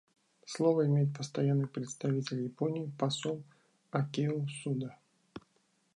Слово имеет Постоянный представитель Японии посол Акио Суда.